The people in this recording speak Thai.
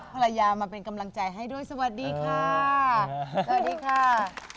ภรรยามาเป็นกำลังใจให้ด้วยสวัสดีค่ะ